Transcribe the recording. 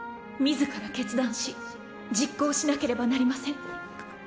自ら決断し実行しなければなりません。